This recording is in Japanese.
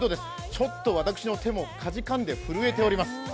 ちょっと私の手もかじかんで震えております。